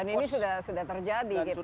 dan ini sudah terjadi kita lihat